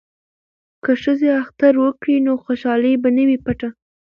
که ښځې اختر وکړي نو خوشحالي به نه وي پټه.